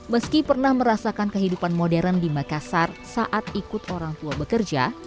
meski pernah merasakan kehidupan modern di makassar saat ikut orang tua bekerja